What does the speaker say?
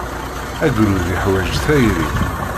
Agrud yeḥwaj tayri.